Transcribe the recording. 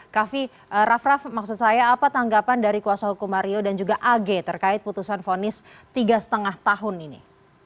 kaffi raff raff maksud saya apa tanggapan dari kuasa hukum mario dan juga ag terkait putusan fonis tiga lima tahun ini